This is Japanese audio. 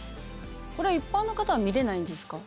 これ一般の方は見れないんですか？